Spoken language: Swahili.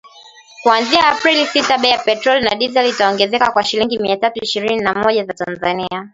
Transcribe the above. kuanzia Aprili sita bei ya petroli na dizeli itaongezeka kwa shilingi mia tatu ishirini na moja za Tanzania.